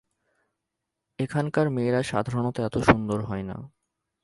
এখানকার মেয়েরা সাধারণত এত সুন্দর হয় না।